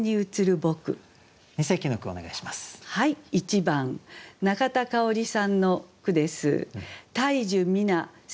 １番中田かおりさんの句です。